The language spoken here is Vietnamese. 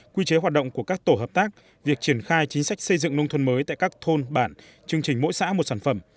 quy chế hoạt động của các tổ hợp tác việc triển khai chính sách xây dựng nông thôn mới tại các thôn bản chương trình mỗi xã một sản phẩm